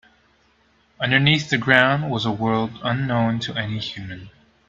Underneath the ground was a world unknown to any human.